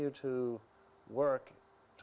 untuk bekerja dengan autism